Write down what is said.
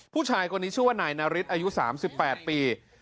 ผู้ชายคนนี้ชื่อว่านายนาริสอายุ๓๘ปี